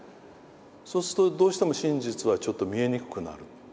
そうするとどうしても真実はちょっと見えにくくなる。